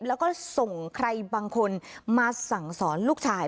แล้วก็ส่งใครบางคนมาสั่งสอนลูกชาย